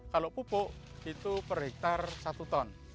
kalau pupuk itu per hektare satu ton